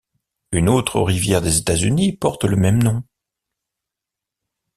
Une autre rivière des États-Unis porte le même nom.